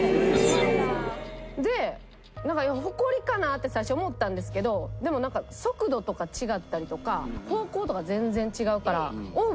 でなんかホコリかな？って最初思ったんですけどでもなんか速度とか違ったりとか方向とか全然違うからオーブだと思うんですよ。